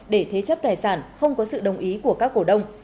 để thế chấp tài sản không có sự đồng ý của các cổ đông